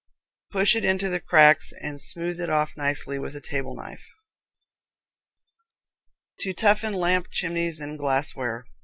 Push it into the cracks and smooth it off nicely with a table knife. To Toughen Lamp Chimneys and Glassware.